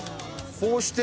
こうして。